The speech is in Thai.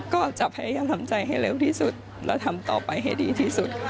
ก็จับทำใจให้เร็วที่สุดทำต่อไปให้ดีที่สุด